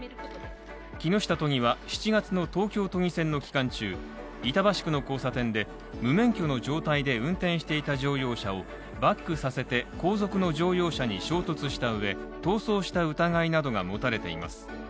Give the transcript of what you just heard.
木下都議は７月の東京都議選の期間中、板橋区の交差点で無免許の状態で運転していた乗用車をバックさせて後続の乗用車に衝突したうえ逃走した疑いなどが持たれています。